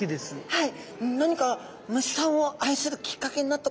はい。